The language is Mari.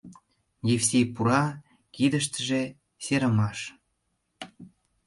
Евсей пура, кидыштыже серымаш.